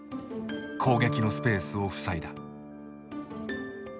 攻撃のスペースを塞いだ。